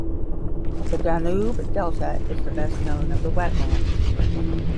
The Danube Delta is the best known of the wetlands.